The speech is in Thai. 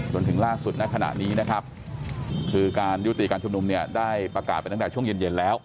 จนถึงล่าสุดณขณะนี้นะครับคือการยุติการชุมนุมเนี่ยได้ประกาศไปตั้งแต่ช่วงเย็นแล้ว